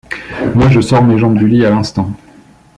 Moi je sors mes jambes du lit à l'instant.